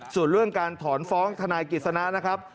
ส่วนเรื่องการถอนฟ้องทนายกิจสนะนะครับ